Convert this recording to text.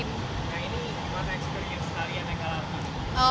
ini bagaimana experience kalian yang kalahkan